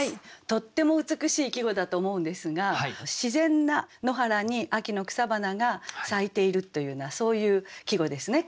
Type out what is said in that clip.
とっても美しい季語だと思うんですが自然な野原に秋の草花が咲いているというようなそういう季語ですね。